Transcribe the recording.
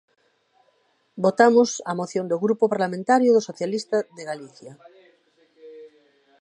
Votamos a moción do Grupo Parlamentario dos Socialista de Galicia.